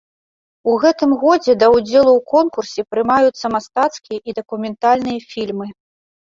У гэтым годзе да ўдзелу ў конкурсе прымаюцца мастацкія і дакументальныя фільмы.